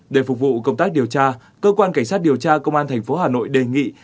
để phục vụ công tác điều tra cơ quan cảnh sát điều tra công an tp hà nội đề nghị